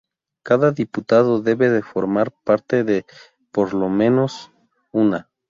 Cada Diputado debe formar parte de por lo menos una.